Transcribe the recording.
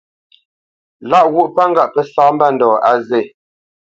Lâʼ ghwô pə́ kâʼ pə́ sá mbândɔ̂ á zê.